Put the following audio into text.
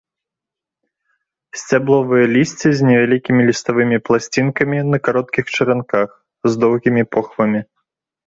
Сцябловае лісце з невялікімі ліставымі пласцінкамі на кароткіх чаранках, з доўгімі похвамі.